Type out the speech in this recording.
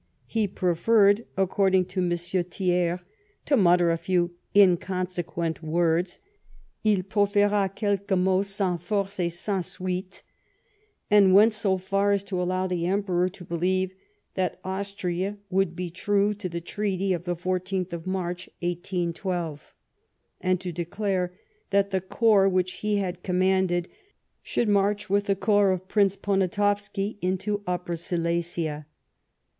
He preferred, according to M. Thiers, to mutter a few inconsequent words ("il profera quelques mots sans force et sans suite "), and went so far as to allow the Emperor to believe that Austria would be true to the treaty of the 14th March, 1812, and to declare that the corps which he had commmanded should march with the corps of Prince Poniatowski into Upper Silesia.